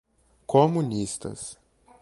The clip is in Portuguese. comunistas